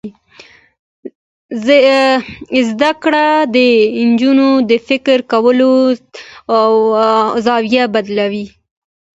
زده کړه د نجونو د فکر کولو زاویه بدلوي.